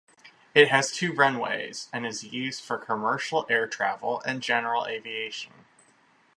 It has two runways and is used for commercial air travel and general aviation.